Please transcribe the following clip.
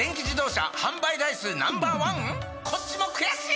こっちも悔しい！